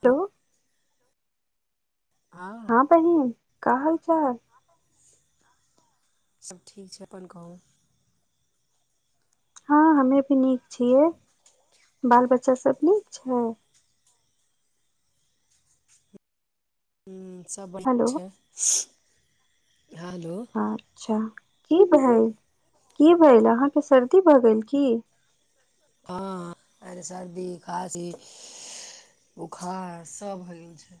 तऽ हेलो हँ बहिन का हालचाल सभ ठीक छै अपन कहू हँ हमे भी नीक छियै बाल बच्चाभ नीक छै [unintelligible] सभ बढ़िआँ हेलो छै हेलो अच्छा की भेल की भेल अहाँके सर्दी भऽ गेल की हँ आ सर्दी खाँसी बुखार सभ भए गेल छै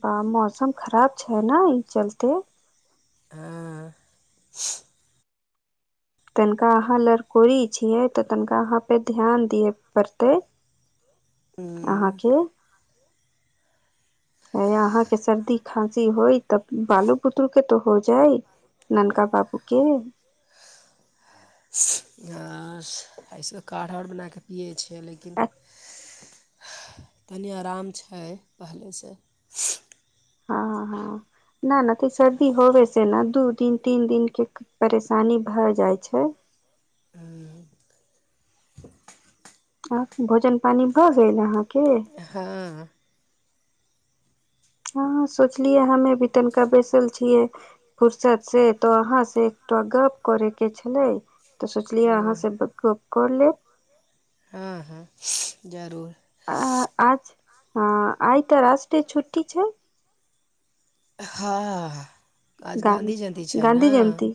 बाह मौसम खराब छै ने ई चलते हँ तनिका अहाँ लड़कोरी छियै तऽ तनिका अहाँ पे ध्यान दियअ पड़तै हुँ ह अहाँके सर्दी खाँसी होइ तब बालू बुतरू के तऽ हो जाइ ननकनका पपूके से त सब काढ़ आओर बना कऽ पियए छै छै लेकिन आ तनी आराम छै पहिलेसँ हँ हँ न नहि तऽ सर्दी होबे से ने दू दिन तीन दिन के परेशानी भ जाइ छै [unintelligible] आ भोजन पानी भऽ गेल अहाँके हँ हँ सोचलियै हमे भी तनिका बैसल छियै फुरसत से तो अहाँ से गप करे के छलै तऽ सोचलियै अहाँ हँ से गप कर लेब हँ हँ जरूर अ आज हँ आइ तऽ रष्टे छुट्टी छै हँ आज ग गाँधी जयन्ती छै ने गांधी जयंती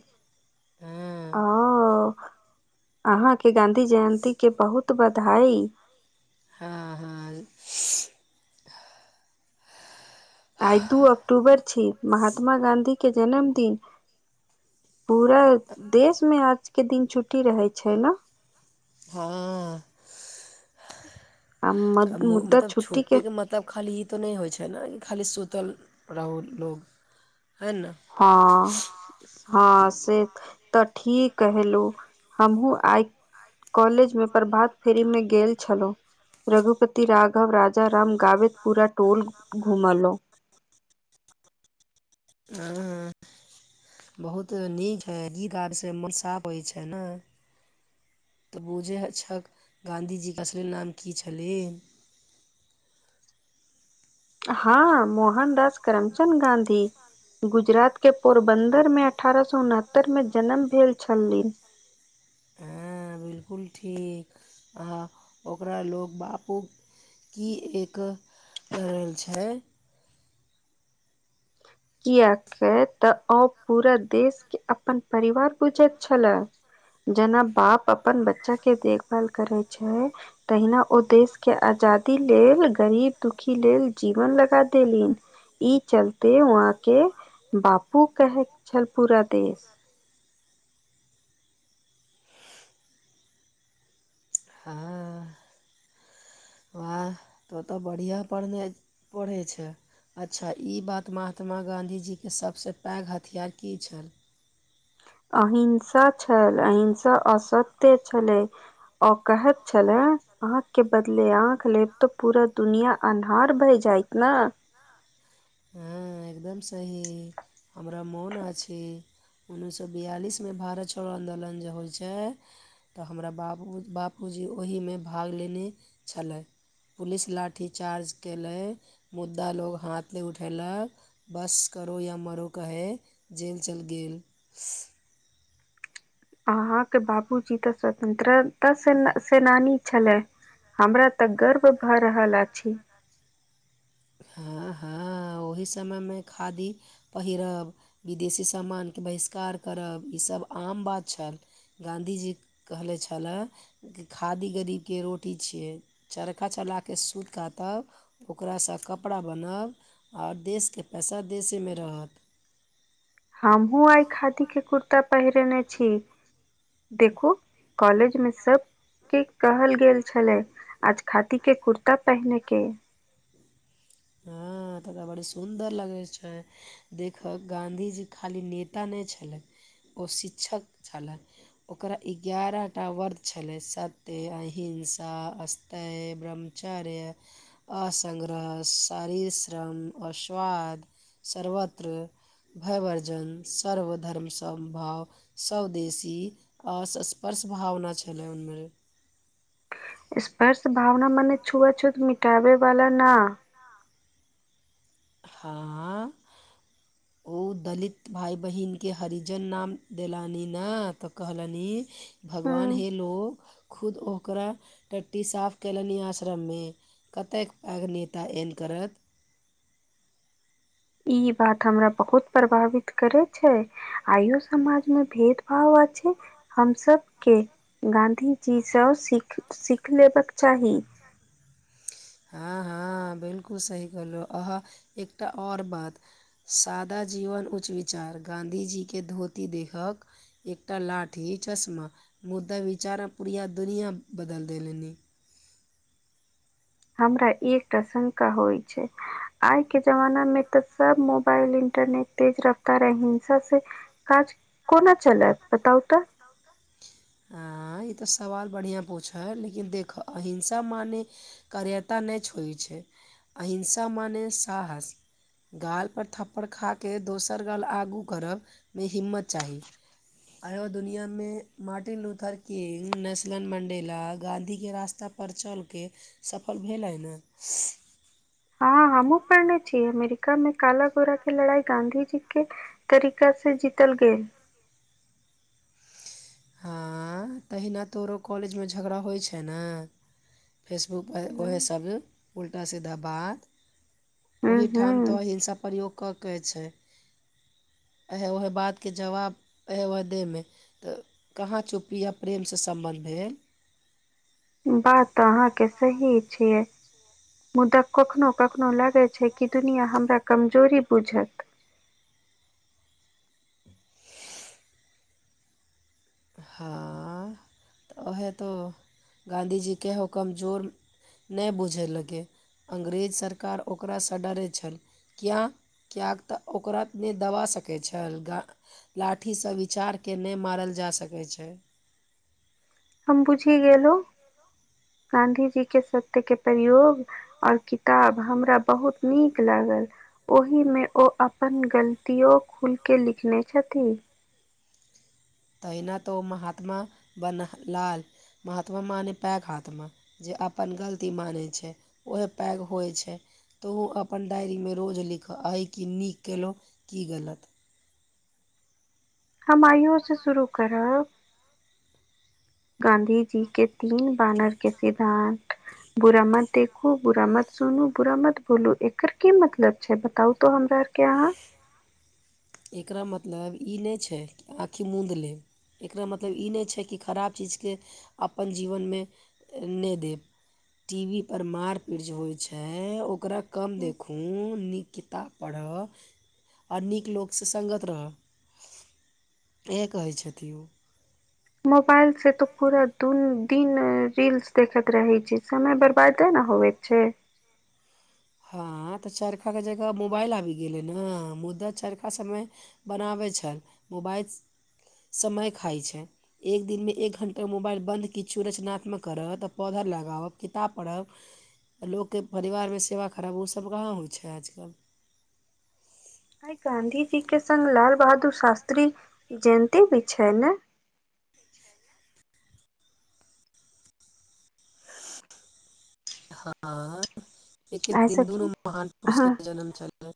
हँ ओ अहाँके गाँधी जयन्ती के बहुत बधाई हँ हँ आइ दू अक्टूबर छी महात्मा गाँधी के जन्मदिन पूरा देशमे आजके दिन छुट्टी रहै छै ने हँ अब मन मत छोटे के मतलब खाली ई नहि होइ छै ने खालि बड़ा उ रहु लो हँ हँ से तऽ ठीक कहलो हमहुूँ आइ कॉलेज में प्रभात फेरीमे गेल छलहुँ रघुपति राघव राजा राम गाबितपुरा टोल घुमलों [inaudible] हुँ हुँ बहुत नीक हइ गी आाबैसँ मोन साफ होइ छै ने तऽ बूझै छक गाँधीजीके असली नाम की छलै [inaudible] हँ मोहनदास करमचद गाँधी गुजरात के पोरबन्दरमे अठारह सए उनहत्तर मे जन्म भेल छलिन हुँ बिलकुल ठीक आ ओकरा लो बापू की एक कर रहल छै कियके तऽ ओ पूरा देश के अपन परिवार बुझैत छलए जेना बाप अपन बच्चा के देखभाल करै छै तहिना ओ देश के आजादी लेल गरीब दुखी लेल जीवन लगा देली इ चलते वहा के बापू कहै छल पूरा देश [inaudible] हँ व तो तऽ बढ़िया पढ़ने पढ़े छै अच्छा ई बात महात्मा गाँधीजी के सभसँ पैघ हथियार की छल अहिंसा छल अहिंसा असत्य छलै ओ कहैत छले आँख के बदले आँख लेब तो पूरा दुनिया अन्हार भए जा जाइत न हँ एकदम सही हमरा मोन अछि उन्नैस सए बियालिसमे भारत छोड़ो आन्दोलन जे होइ छै तऽ हमरा बाबू बाबूजी ओहीमे भाग लेने छलै पुलिस लाठीचार्ज केलै मुद्दा लोग हाथ नहि उठेलक बस करो या मरो कहे जेल चलि गेल अहाँके बाबूजी तऽ स्वतन्त्रता सेनानी छलै हमरा तऽ गर्व भए रहल अछि हँ हँ ओहि समय में खादी पहिरब विदेशी सामान बहिष्कार करब त आम बात छै गांधी जी कहै छलै खादी गदि चरखा चलाके सुन क तब कपड़ा बनब ओर देशके पैसा देशेमे रहत हमूँ आइ खादी के कुर्ता पेहिरेने छी देखो कॉलेज में सब की कहल गेल छलै आज खादी के कुर्ता पहिनेके हँ हँ तऽ बड़ सुन्दर लगैत छै देखब गाँधजी खाली नेता नहि छलै ओ शिक्षक छलय ओकरा एगारहटा वर्ग छलै सत्य एहि हंसा अस्तय ब्रह्मचर्य असघरष शारीर श्रम अश्वद सत्र भयवर्जन सर्व धर्म समभाव सदेशी असस्पर्श भावना छलै उमे स्पर्श भावना मने छुआ छूत मिटाबे वाला न हँ ओ दलित भााय बहिन के हरिजन नाम देलनि ने तऽ कहलनि भगवान हम्म, हे लोग खुद ओकरा ट्टी साफ कलनि ई आश्रम मे कतेक पग नेता एन करत ई बात हमरा बहुत प्रभावित करे छै आइयो समाज में भेद भाव हम सब के गाँधी जी सब सीख लेब चाही [unintelligible] हँ हँ बिलकुल सही कहहु अहाँ एकटा आओर बात सादा जीवन उच्च विचार गांधी जी के धोती देखक एकटा लाठी चश्मा मुदा विचार अ पूरा दुनिया बदल दे लेनी हमरा ई एकटा शंका होइ छै आइ के जमाना मे तऽ सब मोबाइल इ इंटरनेट तेज रफ्तार अ हिंसा से काज कोना चलत बताउ तऽ ह ई तऽ सवाल बढ़िया पूछै लेकिन देख अहिंसा मान करेता ने छ छै अहिंसा म ने साहस गालपर थप्पड़ खा कऽ दोसर गाल आगू करबमे हिम्मत चाही आयो दुनियामे मार्ट ट लूथर किंग नेस्लन मं्डेला गांधी के रास्ता पर चल के सफल भेल [unintelligible] हमूँ पढ़ने छियै अमेरिका मे काला गोरा के लड़ाई गाँंधीजी के तरीका से जीतल गेल [unintelligible] हँ तहिना तऽरो कॉलेजमे झगड़ा होइ छै ने फेसबुकप उएह हूं सब उल्टा सीधा बात ओही ठाम हूं तऽ हिंसा प्रयोग कऽ के छै आएह उएह बातके जवाब उएहे वह देहमे तऽ कहाँ चुपीअ प्रेमसँ सम्बन्ध भेल बात तऽ अहाँके सही छियै मुदा कखनो कखनो लागै छै कि दुनिआँ हमरा कमजोरी बुझत [unintelligible] हँ तऽ ओहे तो गाँधीजीेहो कमजोर नहि बुझय लगै अग्रेज सरकार ओकरा सडरैत छल किया किएक तऽ ओकरा नहि दबा सकैत छल गा लाठीसँ विचारकेँ नहि मारल जा सकै पै छै हम बुझि गेलहु गांधी जी के सत्य के प्रयोग और किताब हमरा बहुत नीक लाग ओहिमे ओ अपन गलतियो खुलके लिखने छथिन तऽ एना त महात्म बन लाल महात्मा म पैघ हाथम तऽ अपन गलती मानै छै ओहे पैघ होइ छै तऽ ओ अपन डायरीमे रोज लिखय अइ कि नीक केलहुँ की गलत हमाययो से शुरू करब गाँधी जी के तीन बानर के सिद्धानत बुरा मत देखू बुरा मत सुनू बुरा मत बोलू एकर की मतलब छै बताउ तो हमरा क्य अहा एकरा मतलब ई नहि छै कि आँखि मुूँदि लेब एकरा मतलब ई नहि छै कि खराब चीजके अपन जीवनमे नहि देब टी वी पर मार पीट जे होइ छै ओकरा कम देखू नीक किताब पढ़ अ आ नीक लोक। ससंगत रहअ इएह कहै छथि ओ। मोबाइल से तऽ पूरा दुनू दिन रील्स देखैत रहै छैय समय बर्बादे न। होइ छै हँ तऽ चरखा के जगह मोबाइल आबि गेले ने मुद्दा चरखा सबमे बनाबे छल मोबाइल समय खाइत छै एक दिनमे एक घण्टा मोबाइल बन्द किछु रचनात्मक करय तऽ पौधा लगाब किताब पढ़ब लोकके परिवार मे सेवा क अब उसब कहाँ होइ छै आजकल आइ गांधी जी के संग लाल बहादुर शास्त्री जयन्ती होइ छै ने [inaudible] हँ एके आइ दिन दुनू सखी महान हँ पुरुषके जन्म छलनि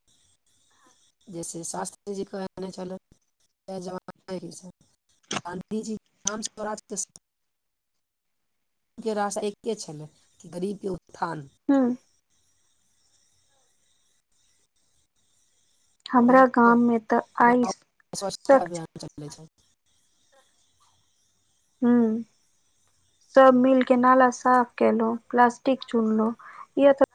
जैसे शास्त्रजीक कहने छलैथ जय जवान जय किसान गाँधी जी के नामसँ स्वराजके स्थ गाँधीजीके रास्ता एके छलै गरीबके उत्थान हूँ हमरा गाममे तऽ आइ गाँव स्वच्छता स्वच्छ अभियान चलै छै हु सभ मिलके नाला साफ केलहुँ प्लास्टिक चुनलौं यए तऽ